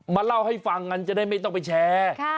มาเล่าให้ฟังกันจะได้ไม่ต้องไปแชร์